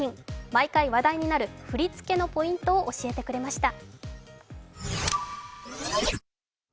毎回、話題になる振り付けのポイントを教えてくれました。